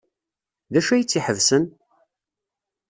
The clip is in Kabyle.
D acu ay tt-iḥebsen?